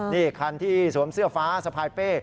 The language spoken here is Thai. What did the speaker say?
นี่คันที่สวมเสื้อฟ้าสะพายเป้